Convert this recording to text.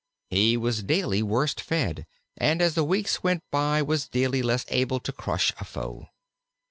He was daily worse fed, and as the weeks went by was daily less able to crush a foe.